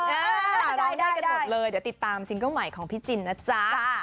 รายได้กันหมดเลยเดี๋ยวติดตามซิงเกิ้ลใหม่ของพี่จินนะจ๊ะ